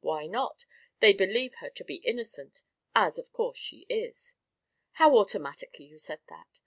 "Why not? They believe her to be innocent, as of course she is." "How automatically you said that!